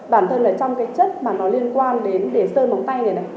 bản thân là trong cái chất mà nó liên quan đến để sơn móng tay này này